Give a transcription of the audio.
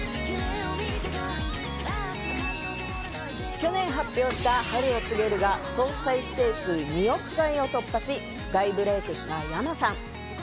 去年発表した『春を告げる』が総再生回数２億回を突破し、大ブレイクしたｙａｍａさん。